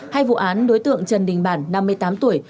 hay vụ án đối tượng trần đình bản năm mươi tám tuổi